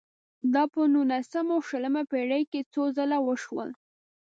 دا په نولسمه او شلمه پېړۍ کې څو ځله وشول.